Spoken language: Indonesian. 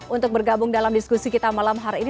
untuk bergabung dalam diskusi kita malam hari ini